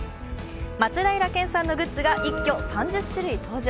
松平健さんのグッズが一挙３０種類登場。